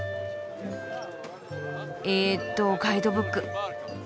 えっとガイドブック。